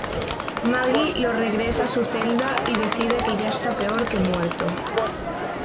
Maggie lo regresa a su celda y decide que ya está peor que muerto.